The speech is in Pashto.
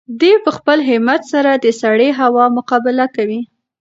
دی په خپل همت سره د سړې هوا مقابله کوي.